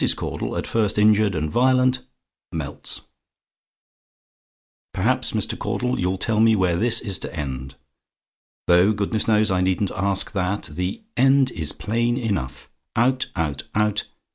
CAUDLE, AT FIRST INJURED AND VIOLENT, MELTS "Perhaps, Mr. Caudle, you'll tell me where this is to end? Though, goodness knows, I needn't ask THAT. The end is plain enough. Out out out!